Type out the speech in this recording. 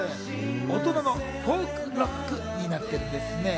大人のフォークロックになっているんですね。